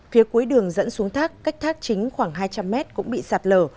phía cuối đường dẫn xuống thác cách thác chính khoảng hai trăm linh mét cũng bị sạt lở